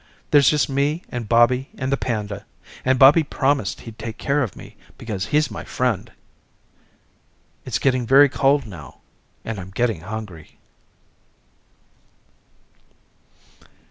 There's just me and Bobby and the panda, and Bobby promised he'd take care of me because he's my friend. It's getting very cold now, and I'm getting hungry.